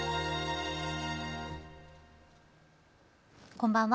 こんばんは。